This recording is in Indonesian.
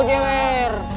uuuh yang gue jeber